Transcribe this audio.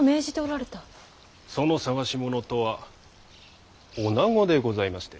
その探し物とはおなごでございまして。